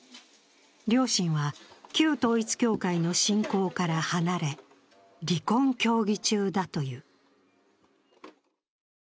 両親は旧統一教会の信仰から離れ、離婚協議中だという。